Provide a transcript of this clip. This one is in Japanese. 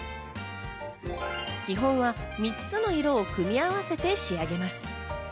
基本は３つの色を組み合わせて仕上げます。